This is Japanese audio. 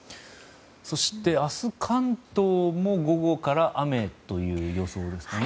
そして、明日、関東も午後から雨という予想ですかね。